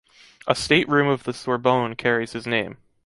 A state room of the Sorbonne carries his name.